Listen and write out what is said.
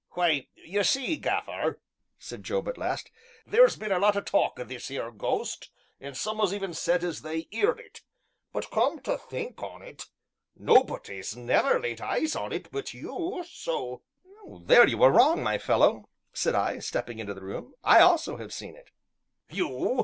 "Why, ye see, Gaffer," said Job at last, "theer's been a lot o' talk o' this 'ere ghost, an' some 'as even said as they 'eerd it, but, come to think on it, nobody's never laid eyes on it but you, so " "There you are wrong, my fellow," said I, stepping into the room. "I also have seen it." "You?"